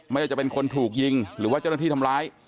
ไม่ได้จะเป็นคนถูกยิงหรือว่าเจ้าหน้าที่ทำร้าย